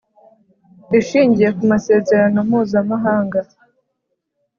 Ishingiye ku masezerano Mpuzamahanga